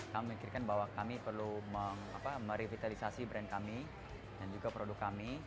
kami memikirkan bahwa kami perlu merevitalisasi brand kami dan juga produk kami